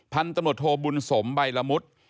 พันธมศโตบุญสมใบละมุติ